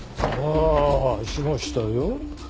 ああしましたよ。